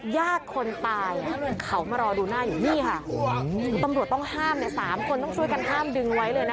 ญาติคนตายเขามารอดูหน้าอยู่นี่ค่ะตำรวจต้องห้ามเนี่ย๓คนต้องช่วยกันห้ามดึงไว้เลยนะคะ